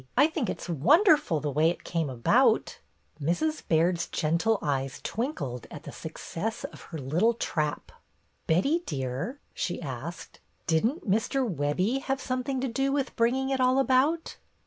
I think it 's wonderful, the way it came about!" Mrs. Baird's gentle eyes twinkled at the success of her little trap. ''Betty, dear," she asked, "didn't Mr. Webbie have something to do with bringing it all about?"